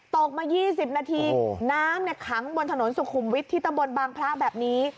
ตกมา๒๐นาทีน้ำขังบนถนนสุขุมวิทย์ที่ตำบลบางพระแบบนี้